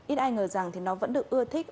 ít ai ngờ rằng thì nó vẫn được ưa thích